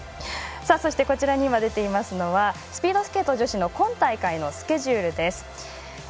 そして、こちらに出ていますのがスピードスケート女子の今大会のスケジュールです。